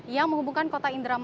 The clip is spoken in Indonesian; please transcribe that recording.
yang menghubungkan kota indramanjir